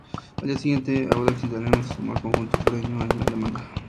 Al día siguiente, Audax Italiano se sumó al conjunto sureño en la demanda.